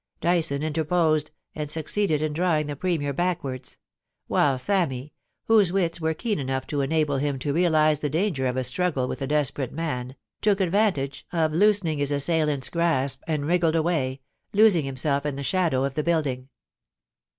Dyson interposed, and succeeded in drawing the Premier backwards ; while Sammy, whose wits were keen enough to enable him to realise the danger of a struggle with a desperate man, took advantage of loosening his assailant's grasp, and wriggled away, losing himself in the shadow of the building.